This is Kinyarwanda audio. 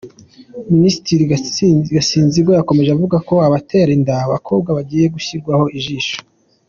Minisitiri Gasinzingwa yakomeje avuga ko abatera inda abakobwa bagiye gushyirwaho ijisho.